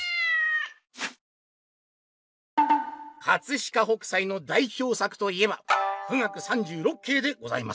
「飾北斎のだいひょう作といえば『冨嶽三十六景』でございます。